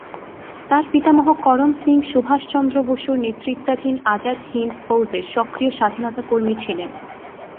তার পিতামহ করম সিং সুভাষচন্দ্র বসু’র নেতৃত্বাধীন আজাদ হিন্দ ফৌজের সক্রিয় স্বাধীনতা কর্মী ছিলেন।